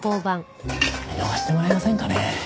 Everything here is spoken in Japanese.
見逃してもらえませんかね？